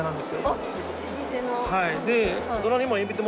あっ老舗の。